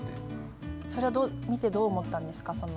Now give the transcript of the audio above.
そのネタを見てどう思ったんですか。